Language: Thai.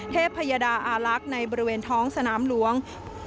พยดาอาลักษณ์ในบริเวณท้องสนามหลวง